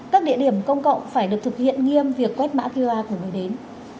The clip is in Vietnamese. các địa điểm công cộng phải được thực hiện nghiêm việc quét mã qr của người đến